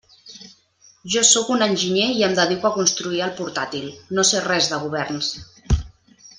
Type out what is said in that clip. Jo sóc un enginyer i em dedico a construir el portàtil, no sé res de governs.